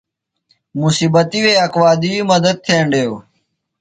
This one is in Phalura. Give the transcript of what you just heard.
مصیبتی وے اکوادی مدت تھینڈیو۔